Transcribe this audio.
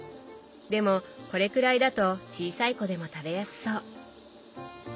でもこれくらいだと小さい子でも食べやすそう。